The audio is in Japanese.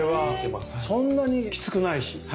そんなにきつくないし。